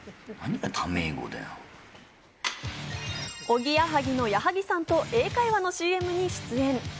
アイクさんといえば、おぎやはぎの矢作さんと英会話のＣＭに出演。